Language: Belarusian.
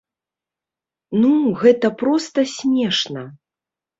Ну, гэта проста смешна!